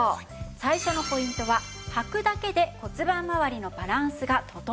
最初のポイントは「はくだけで骨盤まわりのバランスが整う」です。